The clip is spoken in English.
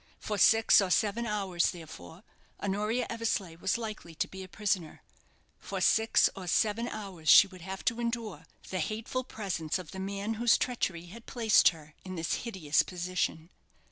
For six or seven hours, therefore, Honoria Eversleigh was likely to be a prisoner for six or seven hours she would have to endure the hateful presence of the man whose treachery had placed her in this hideous position.